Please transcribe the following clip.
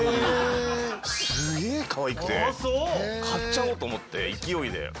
買っちゃおうと思って勢いで。